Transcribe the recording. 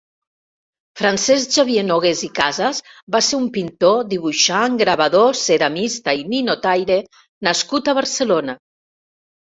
Francesc Xavier Nogués i Casas va ser un pintor, dibuixant, gravador, ceramista i ninotaire nascut a Barcelona.